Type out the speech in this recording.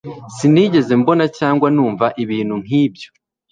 Sinigeze mbona cyangwa numva ibintu nk'ibyo